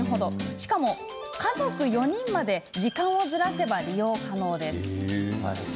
しかも家族４人まで時間をずらせば利用可能です。